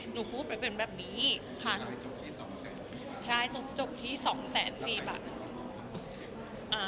หนูพูดเป็นแบบนี้ค่ะใช่จบที่สองแสนสี่บาทค่ะ